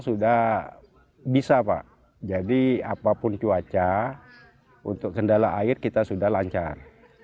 sudah bisa pak jadi apapun cuaca untuk kendala air kita sudah lancar